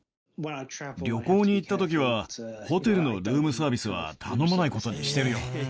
旅行に行ったときは、ホテルのルームサービスは頼まないことにしてるよ。